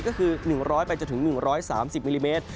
ก็คือ๑๐๐ไปจนถึง๑๓๐มิลลิเมตร